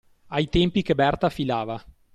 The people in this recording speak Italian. Ai tempi che Berta filava.